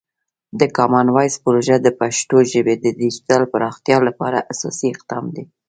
د کامن وایس پروژه د پښتو ژبې د ډیجیټل پراختیا لپاره اساسي اقدام دی.